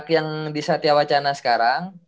yang main itu januar